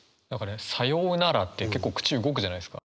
「さようなら」って結構口動くじゃないですか。